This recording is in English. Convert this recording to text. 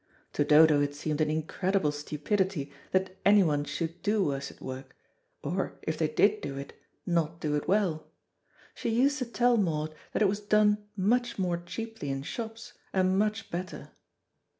To Dodo it seemed an incredible stupidity that anyone should do worsted work, or, if they did do it, not do it well. She used to tell Maud that it was done much more cheaply in shops, and much better.